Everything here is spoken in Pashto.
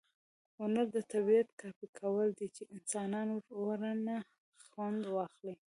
هنر د طبیعت کاپي کول دي، چي انسانان ورنه خوند واخلي.